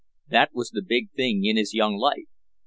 That was the big thing in his young life.